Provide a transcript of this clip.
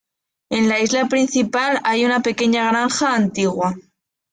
En la isla principal hay una pequeña granja antigua.